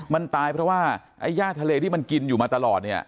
มันตายเพราะว่าไอ้ย่าทะเลที่มันกินอยู่มาตลอดเนี่ย